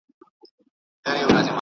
موږ سبا مکتب ته ځو